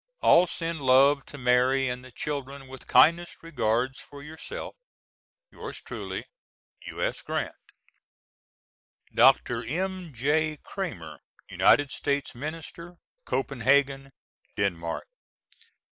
All send love to Mary and the children with kindest regards for yourself. Yours truly, U.S. GRANT. DR. M.J. CRAMER, United States Minister, Copenhagen, Denmark.